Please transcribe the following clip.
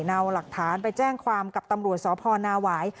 เอาหลักฐานไปแจ้งความกับตำรวจสพนาหวาย